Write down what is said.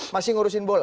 masih ngurusin bola